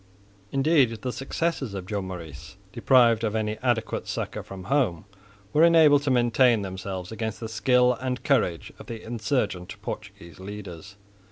Indeed the successors of Joan Maurice, deprived of any adequate succour from home, were unable to maintain themselves against the skill and courage of the insurgent Portuguese leaders.